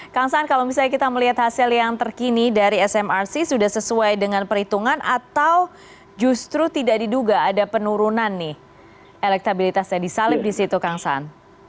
kang saan kalau misalnya kita melihat hasil yang terkini dari smrc sudah sesuai dengan perhitungan atau justru tidak diduga ada penurunan nih elektabilitasnya disalib di situ kang saan